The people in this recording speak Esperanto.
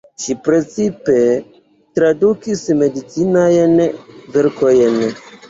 Ŝi precipe tradukis medicinajn verkojn.